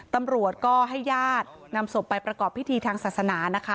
ตำรวจก็ให้ญาตินำศพไปประกอบพิธีทางศาสนานะคะ